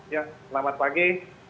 ya selamat pagi